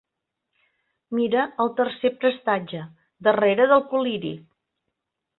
Mira al tercer prestatge, darrere del col·liri.